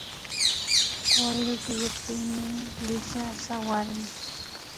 Wayru killapimi Luiska sawarin